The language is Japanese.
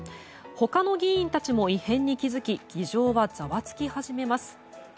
他の議員たちも異変に気付き議場はざわつき始めます。